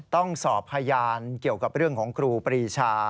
ต้องสอบพยานเกี่ยวกับเรื่องของครูปรีชา